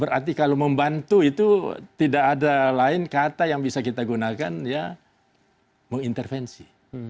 berarti kalau membantu itu tidak ada lain kata yang bisa kita gunakan ya mengintervensi